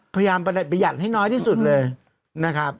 พยายามประหยัดให้น้อยที่สุดเลยนะครับ